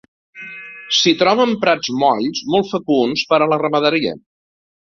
S'hi troben prats molls molt fecunds per a la ramaderia.